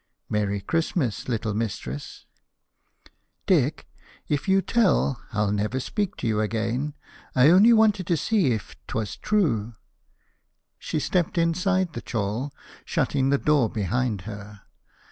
"Merry Christmas, little mistress." "Dick if you tell, I'll never speak to you again. I only wanted to see if 'twas true." She stepped inside the chall, shutting the door behind her.